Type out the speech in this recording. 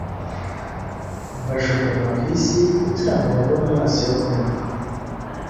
bajugunywa ku isi, kugira ngo babone amazi yo kunywa.